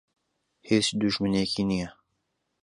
هیچ دوژمنێکی نییە.